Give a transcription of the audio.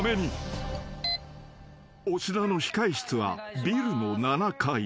［押田の控室はビルの７階］